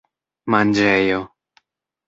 manĝejo